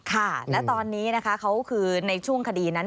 ค่ะและตอนนี้นะคะเขาคือในช่วงคดีนั้น